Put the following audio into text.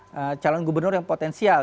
mereka akan menjadi calon gubernur yang potensial